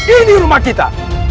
ini rumah kita